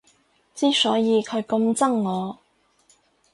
之所以佢咁憎我